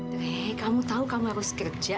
hei kamu tahu kamu harus kerja